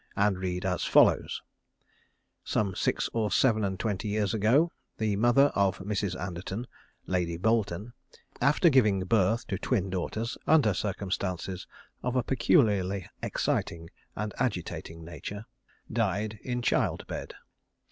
and read as follows: Some six or seven and twenty years ago, the mother of Mrs. Anderton Lady Boleton after giving birth to twin daughters, under circumstances of a peculiarly exciting and agitating nature, died in child bed.